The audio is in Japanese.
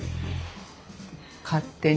勝手に？